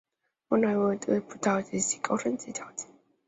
上环站则位于德辅道西及高升街交界。